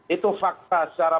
itu fakta secara